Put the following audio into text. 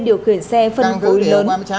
điều khiển xe phân phối lớn